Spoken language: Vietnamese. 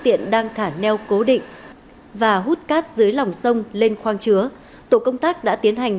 tiện đang khả neo cố định và hút cát dưới lòng sông lên khoang chứa tổ công tác đã tiến hành